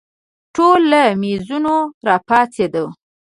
ټوله له مېزونو راپاڅېدو.